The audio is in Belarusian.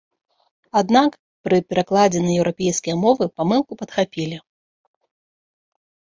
Аднак пры перакладзе на еўрапейскія мовы памылку падхапілі.